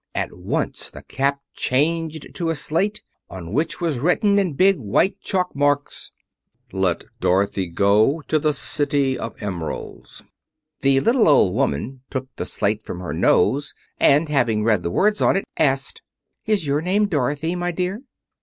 At once the cap changed to a slate, on which was written in big, white chalk marks: "LET DOROTHY GO TO THE CITY OF EMERALDS" The little old woman took the slate from her nose, and having read the words on it, asked, "Is your name Dorothy, my dear?"